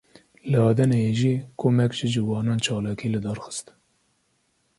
Li Edeneyê jî komek ji ciwanan çalakî lidar xist